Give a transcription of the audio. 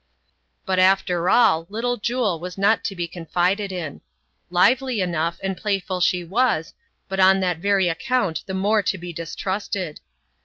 But after all, Little Jule was not to be confided in. Lively enough, and playful she was, but on that very account the more to be distrusted.